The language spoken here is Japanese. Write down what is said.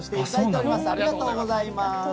ありがとうございます。